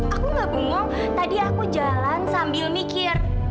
aku gak bingung tadi aku jalan sambil mikir